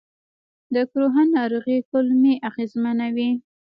د کروهن ناروغي کولمې اغېزمنوي.